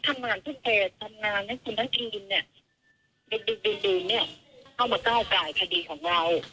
สามทีเนี่ย